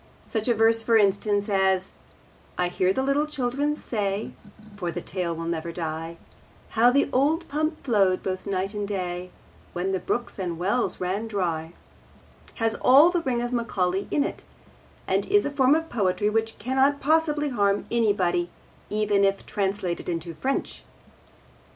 Such a verse, for instance, as: I hear the little children say (For the tale will never die) How the old pump flowed both night and day When the brooks and the wells ran dry, has all the ring of Macaulay in it, and is a form of poetry which cannot possibly harm anybody, even if translated into French.